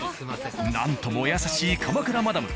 なんともお優しい鎌倉マダム。